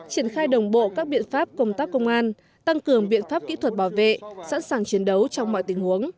triển khai đồng bộ các biện pháp công tác công an tăng cường biện pháp kỹ thuật bảo vệ sẵn sàng chiến đấu trong mọi tình huống